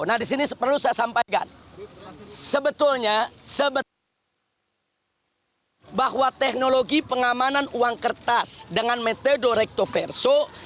nah disini perlu saya sampaikan sebetulnya bahwa teknologi pengamanan uang kertas dengan metode recto verso